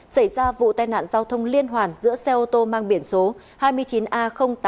xảy ra vụ tai nạn giao thông liên hoàn giữa xe ô tô mang biển số hai mươi chín a tám nghìn ba trăm một mươi hai